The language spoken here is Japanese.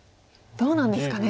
どうなんですかね。